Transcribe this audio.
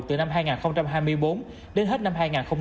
từ năm hai nghìn hai mươi bốn đến hết năm hai nghìn hai mươi ba